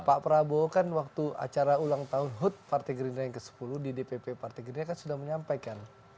pak prabowo kan waktu acara ulang tahun hut partai gerindra yang ke sepuluh di dpp partai gerindra kan sudah menyampaikan